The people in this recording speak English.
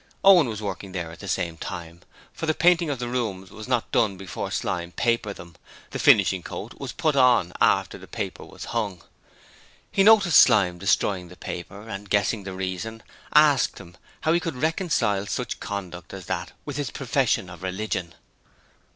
Owen was working there at the same time, for the painting of the rooms was not done before Slyme papered them; the finishing coat was put on after the paper was hung. He noticed Slyme destroying the paper and, guessing the reason, asked him how he could reconcile such conduct as that with his profession of religion.